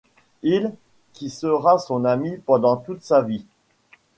Hill, qui sera son ami pendant toute sa vie.